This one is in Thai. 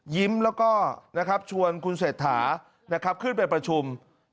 ยิ้มแล้วก็ชวนคุณเศรษฐาขึ้นไปประชุม